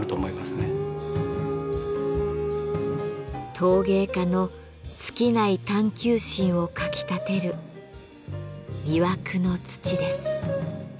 陶芸家の尽きない探求心をかきたてる魅惑の土です。